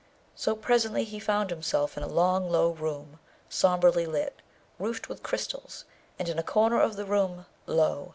So, presently he found himself in a long low room, sombrely lit, roofed with crystals; and in a corner of the room, lo!